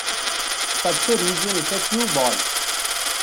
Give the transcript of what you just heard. Such a region is a Q-ball.